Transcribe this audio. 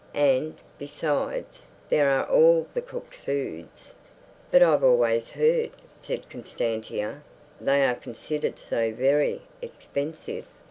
"And, besides, there are all the cooked foods." "But I've always heard," said Constantia, "they are considered so very expensive."